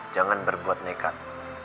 jangan berbuat nekat